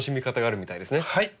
はい。